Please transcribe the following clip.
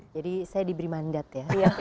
jadi saya diberi mandat ya